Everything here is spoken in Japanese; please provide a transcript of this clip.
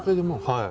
はい。